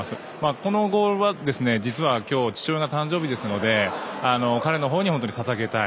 このゴールは実は父親が誕生日ですので彼のほうにささげたい。